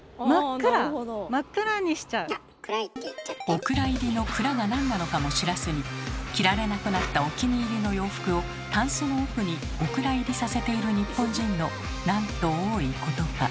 お蔵入りの「くら」がなんなのかも知らずに着られなくなったお気に入りの洋服をたんすの奥にお蔵入りさせている日本人のなんと多いことか。